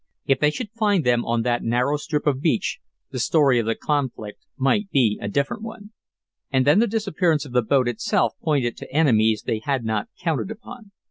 If they should find them on that narrow strip of beach the story of the conflict might be a different one. And then the disappearance of the boat itself pointed to enemies they had not counted upon.